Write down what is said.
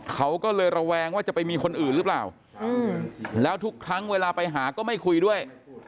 เขาก็เลยระแวงว่าจะไปมีคนอื่นหรือเปล่าแล้วทุกครั้งเวลาไปหาก็ไม่คุยด้วย